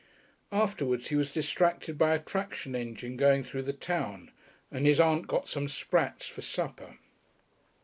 Afterwards he was distracted by a traction engine going through the town, and his aunt had got some sprats for supper.